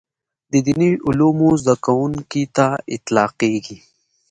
د دیني علومو زده کوونکي ته اطلاقېږي.